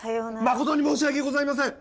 誠に申し訳ございません！！